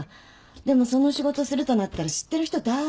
でもその仕事するとなったら知ってる人誰もいないんだもんね。